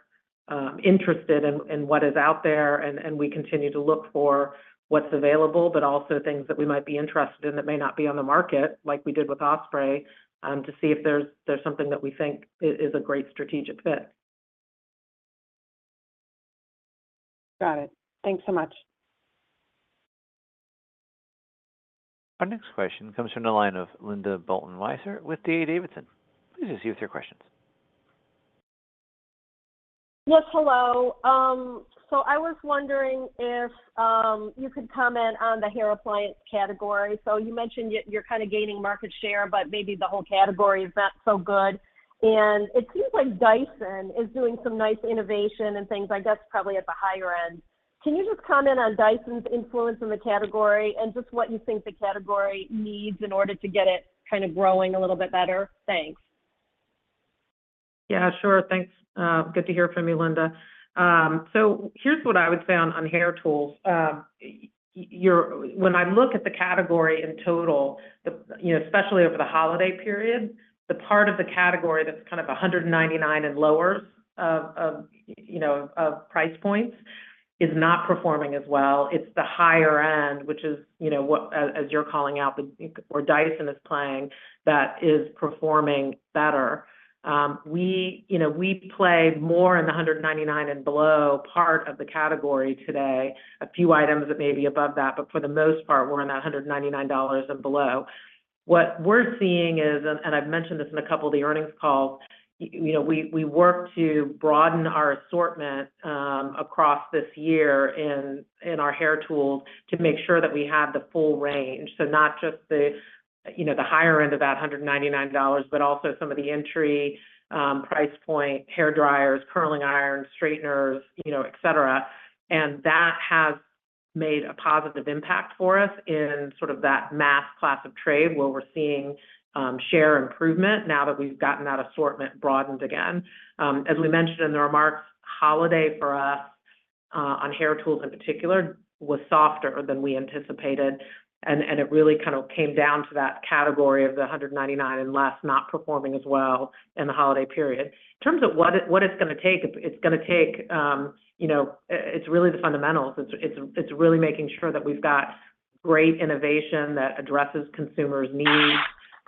interested in what is out there, and we continue to look for what's available, but also things that we might be interested in that may not be on the market, like we did with Osprey, to see if there's something that we think is a great strategic fit. Got it. Thanks so much. Our next question comes from the line of Linda Bolton Weiser with D.A. Davidson. Please proceed with your questions. Yes, hello. I was wondering if you could comment on the hair appliance category. You mentioned you're kind of gaining market share, but maybe the whole category is not so good. It seems like Dyson is doing some nice innovation and things like that's probably at the higher end. Can you just comment on Dyson's influence in the category, and just what you think the category needs in order to get it kind of growing a little bit better? Thanks. Yeah, sure. Thanks. Good to hear from you, Linda. So here's what I would say on hair tools. Your when I look at the category in total, you know, especially over the holiday period, the part of the category that's kind of $199 and lower, you know, of price points, is not performing as well. It's the higher end, which is, you know, what as you're calling out, where Dyson is playing, that is performing better. We, you know, we play more in the $199 and below part of the category today. A few items that may be above that, but for the most part, we're in that $199 and below. What we're seeing is. I've mentioned this in a couple of the earnings calls, you know, we worked to broaden our assortment across this year in our hair tools to make sure that we have the full range. So not just the, you know, the higher end of that $199, but also some of the entry price point, hairdryers, curling irons, straighteners, you know, et cetera. And that has made a positive impact for us in sort of that mass class of trade, where we're seeing share improvement now that we've gotten that assortment broadened again. As we mentioned in the remarks, holiday for us, on hair tools in particular, was softer than we anticipated, and it really kind of came down to that category of the $199 and less not performing as well in the holiday period. In terms of what it's gonna take, it's gonna take, you know, it's really the fundamentals. It's really making sure that we've got great innovation that addresses consumers' needs,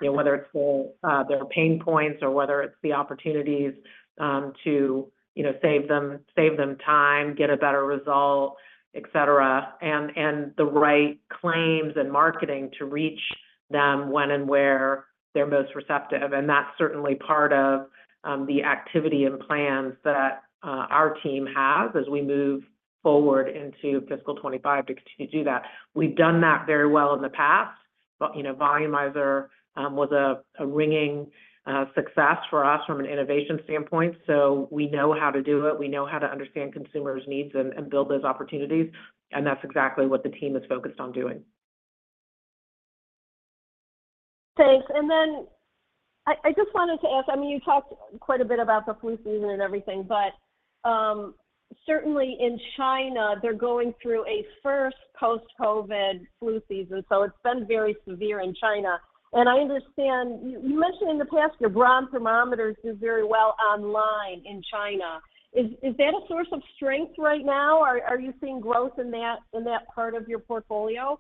you know, whether it's for their pain points or whether it's the opportunities, to you know, save them, save them time, get a better result, et cetera, and the right claims and marketing to reach them when and where they're most receptive. That's certainly part of the activity and plans that our team has as we move forward into fiscal 2025 to continue to do that. We've done that very well in the past, but, you know, Volumizer was a ringing success for us from an innovation standpoint, so we know how to do it. We know how to understand consumers' needs and build those opportunities, and that's exactly what the team is focused on doing. Thanks. And then I just wanted to ask, I mean, you talked quite a bit about the flu season and everything, but certainly in China, they're going through a first post-COVID flu season, so it's been very severe in China. And I understand, you mentioned in the past, your Braun thermometers do very well online in China. Is that a source of strength right now? Are you seeing growth in that part of your portfolio?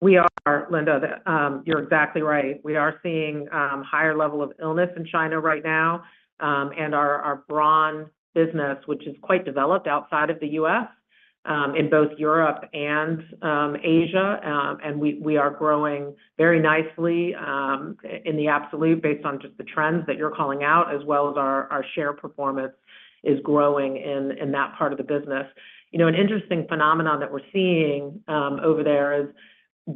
We are, Linda. You're exactly right. We are seeing higher level of illness in China right now, and our Braun business, which is quite developed outside of the U.S., in both Europe and Asia, and we are growing very nicely in the absolute, based on just the trends that you're calling out, as well as our share performance is growing in that part of the business. You know, an interesting phenomenon that we're seeing over there is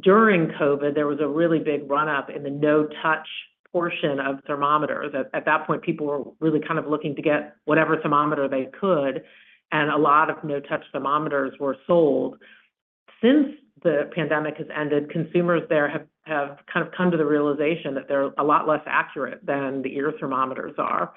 during COVID, there was a really big run-up in the no-touch portion of thermometers. At that point, people were really kind of looking to get whatever thermometer they could, and a lot of no-touch thermometers were sold. Since the pandemic has ended, consumers there have kind of come to the realization that they're a lot less accurate than the ear thermometers are.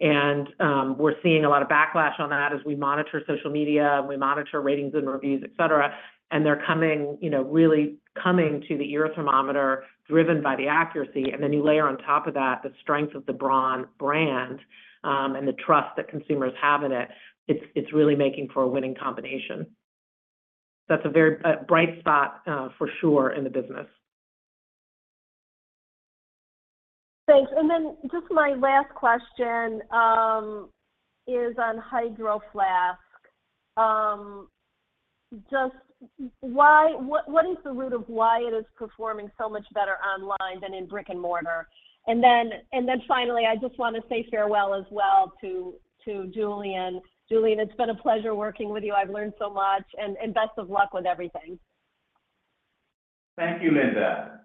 We're seeing a lot of backlash on that as we monitor social media, and we monitor ratings and reviews, et cetera. They're coming, you know, really coming to the ear thermometer, driven by the accuracy, and then you layer on top of that the strength of the Braun brand, and the trust that consumers have in it. It's really making for a winning combination. That's a very bright spot for sure in the business. Thanks. And then just my last question is on Hydro Flask. Just why, what is the root of why it is performing so much better online than in brick-and-mortar? And then finally, I just want to say farewell as well to Julien. Julien, it's been a pleasure working with you. I've learned so much, and best of luck with everything. Thank you, Linda.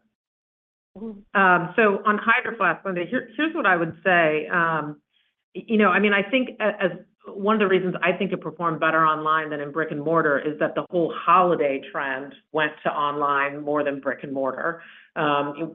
So on Hydro Flask, Linda, here's what I would say. You know, I mean, I think, as one of the reasons I think it performed better online than in brick-and-mortar is that the whole holiday trend went to online more than brick-and-mortar.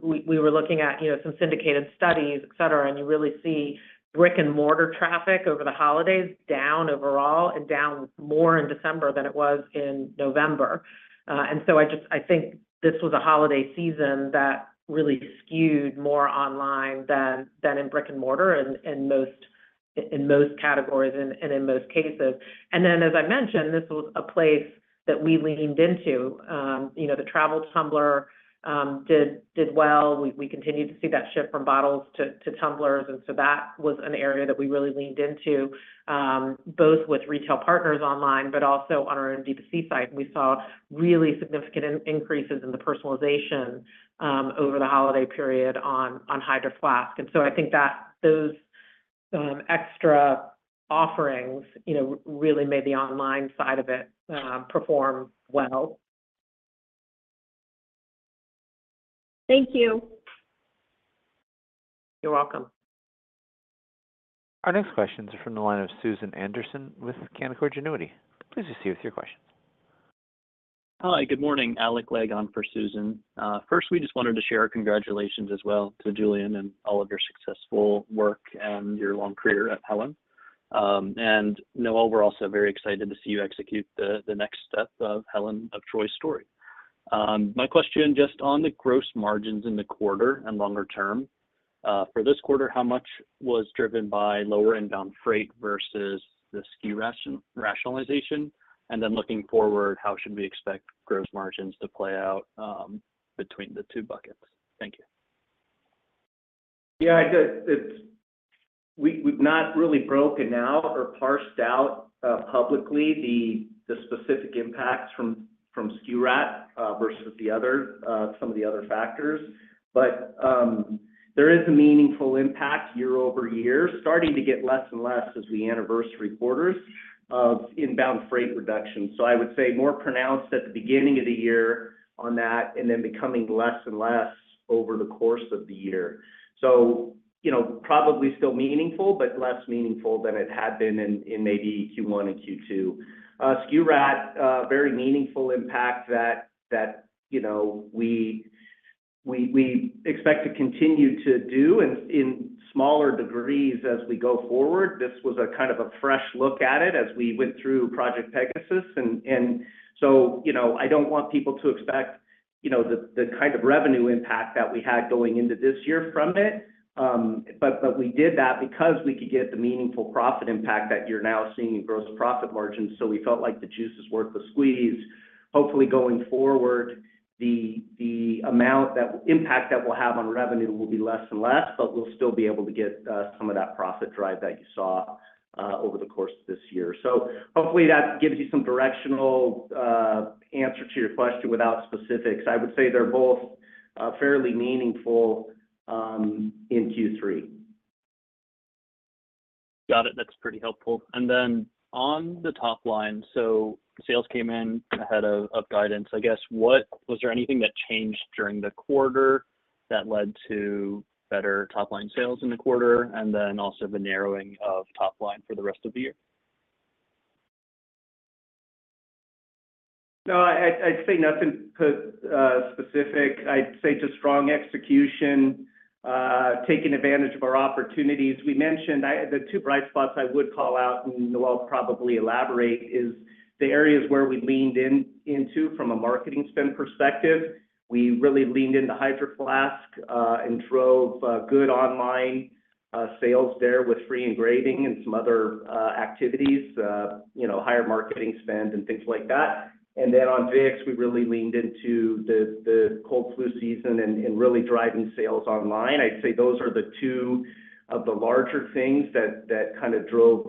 We were looking at, you know, some syndicated studies, et cetera, and you really see brick-and-mortar traffic over the holidays down overall and down more in December than it was in November. And so I just, I think this was a holiday season that really skewed more online than in brick-and-mortar, in most categories and in most cases. And then, as I mentioned, this was a place that we leaned into. You know, the Travel Tumbler did well. We continued to see that shift from bottles to tumblers, and so that was an area that we really leaned into, both with retail partners online, but also on our own D2C site. We saw really significant increases in the personalization over the holiday period on Hydro Flask. And so I think that those extra offerings, you know, really made the online side of it perform well. Thank you. You're welcome. Our next question is from the line of Susan Anderson with Canaccord Genuity. Please proceed with your question. Hi, good morning, Alec Legg on for Susan. First, we just wanted to share our congratulations as well to Julien and all of your successful work and your long career at Helen. And Noel, we're also very excited to see you execute the next step of Helen of Troy's story. My question, just on the gross margins in the quarter and longer term. For this quarter, how much was driven by lower inbound freight versus the SKU rationalization? And then looking forward, how should we expect gross margins to play out between the two buckets? Thank you. Yeah, I guess it's. We've not really broken out or parsed out publicly the specific impacts from SKU rat versus some of the other factors. But there is a meaningful impact year-over-year, starting to get less and less as we anniversary quarters of inbound freight reduction. So I would say more pronounced at the beginning of the year on that and then becoming less and less over the course of the year. So, you know, probably still meaningful, but less meaningful than it had been in maybe Q1 and Q2. SKU rat, a very meaningful impact that you know we expect to continue to do in smaller degrees as we go forward. This was a kind of a fresh look at it as we went through Project Pegasus, and so, you know, I don't want people to expect, you know, the kind of revenue impact that we had going into this year from it. But we did that because we could get the meaningful profit impact that you're now seeing in gross profit margins, so we felt like the juice is worth the squeeze. Hopefully, going forward, the impact that we'll have on revenue will be less and less, but we'll still be able to get some of that profit drive that you saw over the course of this year. So hopefully, that gives you some directional answer to your question without specifics. I would say they're both fairly meaningful in Q3. Got it. That's pretty helpful. And then on the top line, so sales came in ahead of guidance. I guess, was there anything that changed during the quarter that led to better top-line sales in the quarter, and then also the narrowing of top line for the rest of the year? No, I'd say nothing specific. I'd say just strong execution, taking advantage of our opportunities. We mentioned. The two bright spots I would call out, and Noel will probably elaborate, are the areas where we leaned into from a marketing spend perspective. We really leaned into Hydro Flask and drove good online sales there with free engraving and some other activities, you know, higher marketing spends and things like that. And then on Vicks, we really leaned into the cold flu season and really driving sales online. I'd say those are the two of the larger things that kind of drove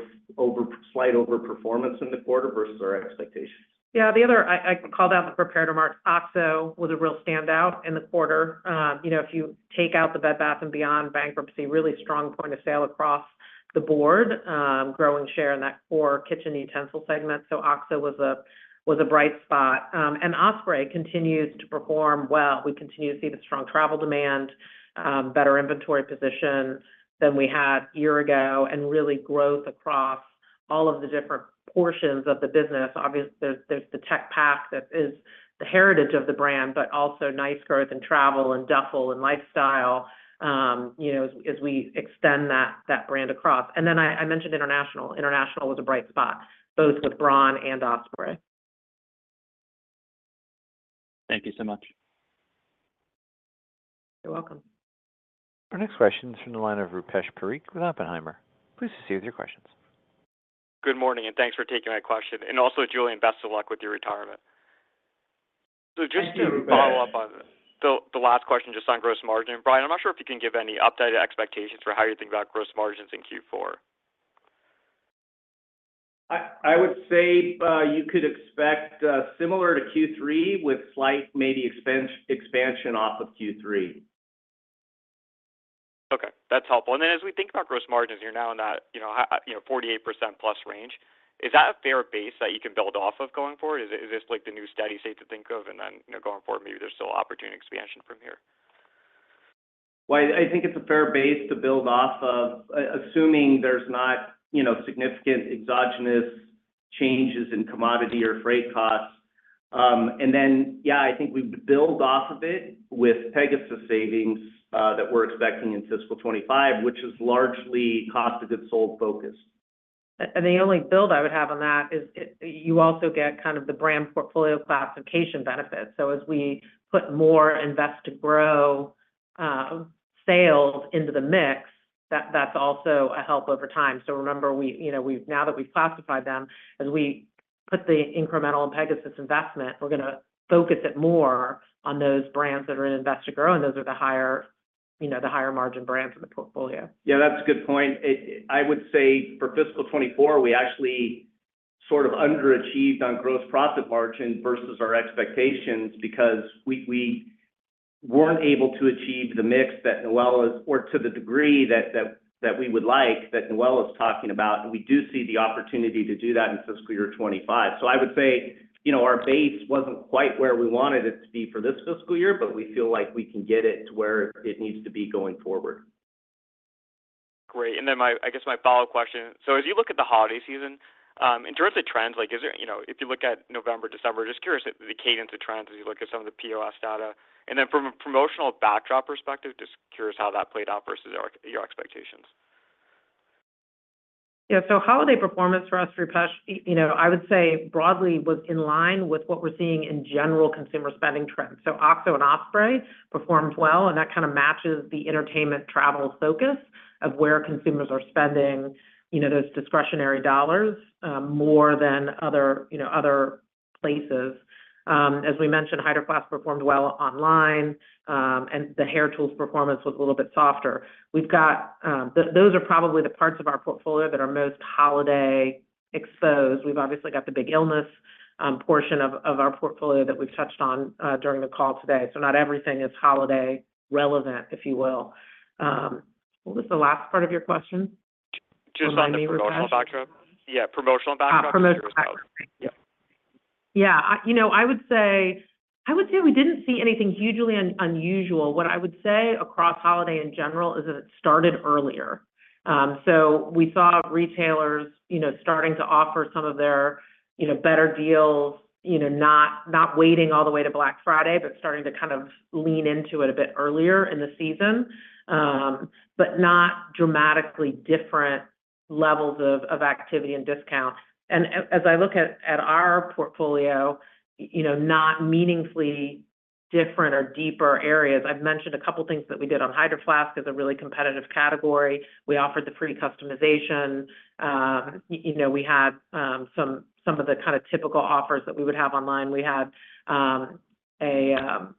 slight over performance in the quarter versus our expectations. Yeah, I called out the prepared remarks, OXO was a real standout in the quarter. You know, if you take out the Bed Bath & Beyond bankruptcy, really strong point of sale across the board, growing share in that core kitchen utensil segment. So OXO was a bright spot. And Osprey continues to perform well. We continue to see the strong travel demand, better inventory position than we had a year ago, and really growth across all of the different portions of the business. Obviously, there's the tech pack that is the heritage of the brand, but also nice growth in travel and duffel and lifestyle, you know, as we extend that brand across. And then I mentioned international. International was a bright spot, both with Braun and Osprey. Thank you so much. You're welcome. Our next question is from the line of Rupesh Parikh with Oppenheimer. Please proceed with your questions. Good morning, and thanks for taking my question. And also, Julien, best of luck with your retirement. So just to follow up on the, the last question, just on gross margin, Brian, I'm not sure if you can give any updated expectations for how you think about gross margins in Q4. I would say you could expect similar to Q3 with slight maybe expansion off of Q3. Okay, that's helpful. And then as we think about gross margins, you're now in that, you know, high, you know, 48%+ range. Is that a fair base that you can build off of going forward? Is it, is this like the new steady state to think of, and then, you know, going forward, maybe there's still opportunity expansion from here? Well, I think it's a fair base to build off of, assuming there's not, you know, significant exogenous changes in commodity or freight costs. And then, yeah, I think we build off of it with Pegasus savings that we're expecting in fiscal 2025, which is largely cost of goods sold focused. The only build I would have on that is you also get kind of the brand portfolio classification benefits. So as we put more Invest to Grow sales into the mix, that's also a help over time. So remember, you know, now that we've classified them, as we put the incremental Pegasus investment, we're gonna focus it more on those brands that are in Invest to Grow, and those are the higher, you know, the higher margin brands in the portfolio. Yeah, that's a good point. I would say for fiscal 2024, we actually sort of underachieved on gross profit margin versus our expectations because we weren't able to achieve the mix that Noel is, or to the degree that we would like, that Noel is talking about, and we do see the opportunity to do that in fiscal year 2025. So I would say, you know, our base wasn't quite where we wanted it to be for this fiscal year, but we feel like we can get it to where it needs to be going forward. Great. And then I guess my follow-up question: so as you look at the holiday season, in terms of trends, like, is there, you know, if you look at November, December, just curious at the cadence of trends as you look at some of the POS data. And then from a promotional backdrop perspective, just curious how that played out versus your expectations. Yeah, so holiday performance for us, Rupesh, you know, I would say broadly was in line with what we're seeing in general consumer spending trends. So OXO and Osprey performed well, and that kind of matches the entertainment travel focus of where consumers are spending, you know, those discretionary dollars more than other, you know, other places. As we mentioned, Hydro Flask performed well online, and the hair tools performance was a little bit softer. We've got... Those are probably the parts of our portfolio that are most holiday exposed. We've obviously got the big illness portion of our portfolio that we've touched on during the call today. So not everything is holiday relevant, if you will. What was the last part of your question? Just on the promotional backdrop. Remind me, Rupesh. Yeah, promotional backdrop. Ah, promotional backdrop. Yeah. Yeah. I, you know, I would say, I would say we didn't see anything hugely unusual. What I would say across holiday in general is that it started earlier. So we saw retailers, you know, starting to offer some of their, you know, better deals, you know, not, not waiting all the way to Black Friday, but starting to kind of lean into it a bit earlier in the season, but not dramatically different levels of, of activity and discount. And as I look at, at our portfolio, you know, not meaningfully different or deeper areas. I've mentioned a couple of things that we did on Hydro Flask is a really competitive category. We offered the free customization. You know, we had, some, some of the kind of typical offers that we would have online. We had an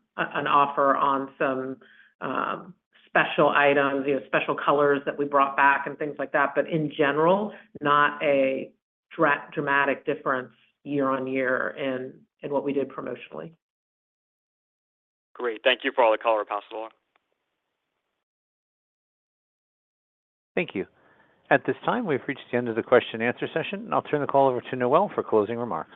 offer on some special items, you know, special colors that we brought back and things like that, but in general, not a dramatic difference year on year in what we did promotionally. Great. Thank you for all the color, appreciate it. Thank you. At this time, we've reached the end of the question-and-answer session, and I'll turn the call over to Noel for closing remarks.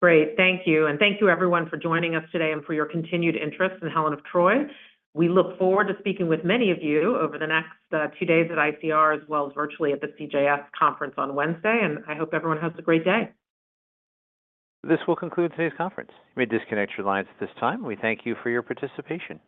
Great. Thank you. Thank you, everyone, for joining us today and for your continued interest in Helen of Troy. We look forward to speaking with many of you over the next two days at ICR, as well as virtually at the CJS conference on Wednesday, and I hope everyone has a great day. This will conclude today's conference. You may disconnect your lines at this time. We thank you for your participation.